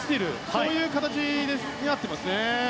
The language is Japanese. そういう形になっています。